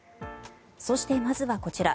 そして、まずはこちら。